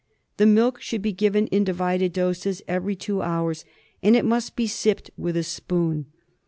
The milk should be given in divided doses every two hours, and it must be sipped with a spoon.